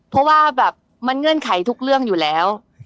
เพราะว่าแบบมันเงื่อนไขทุกเรื่องอยู่แล้ว